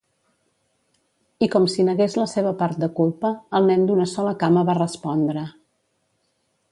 I com si negués la seva part de culpa, el nen d'una sola cama va respondre.